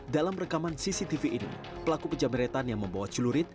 dalam rekaman cctv ini pelaku penjamretan yang membawa celurit